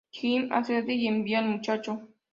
Jim accede y envía al muchacho.